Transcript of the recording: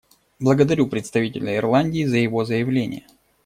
Благодарю представителя Ирландии за его заявление.